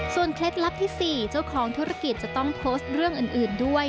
เคล็ดลับที่๔เจ้าของธุรกิจจะต้องโพสต์เรื่องอื่นด้วย